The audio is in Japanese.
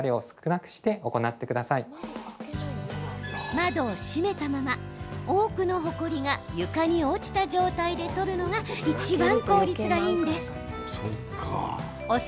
窓を閉めたまま多くのほこりが床に落ちた状態で取るのがいちばん効率がいいんです。